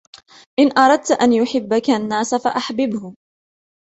إن أردت أن يحبك الناس فأحببه.